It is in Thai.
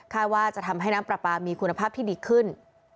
ว่าจะทำให้น้ำปลาปลามีคุณภาพที่ดีขึ้น